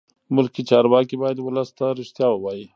ملکي چارواکي باید ولس ته رښتیا ووایي.